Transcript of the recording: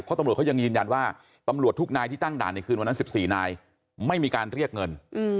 เพราะตำรวจเขายังยืนยันว่าตำรวจทุกนายที่ตั้งด่านในคืนวันนั้น๑๔นายไม่มีการเรียกเงิน